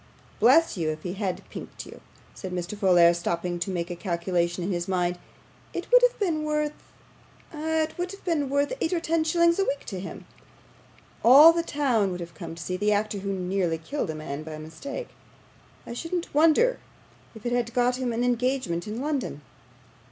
Bless you, if he had pinked you,' said Mr. Folair, stopping to make a calculation in his mind, 'it would have been worth ah, it would have been worth eight or ten shillings a week to him. All the town would have come to see the actor who nearly killed a man by mistake; I shouldn't wonder if it had got him an engagement in London.